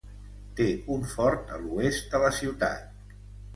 Té un fort a l'oest de la ciutat.